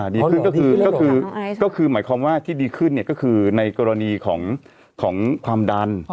ดีขึ้นก็คือหมายความว่าที่ดีขึ้นก็คือในกรณีของความดัน